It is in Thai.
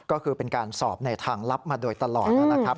ก็คือเป็นการสอบในทางลับมาโดยตลอดนะครับ